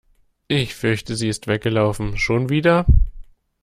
Ich fürchte sie ist weggelaufen. Schon wieder?